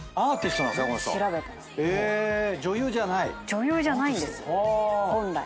女優じゃないんです本来。